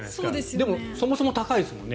でも、そもそも高いですもんね。